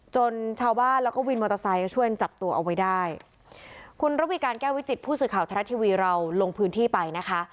ชาวบ้านแล้วก็วินมอเตอร์ไซค์ช่วยจับตัวเอาไว้ได้คุณระวีการแก้ววิจิตผู้สื่อข่าวไทยรัฐทีวีเราลงพื้นที่ไปนะคะ